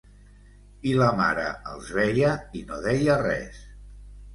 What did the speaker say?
I la mare els veia i no deia res.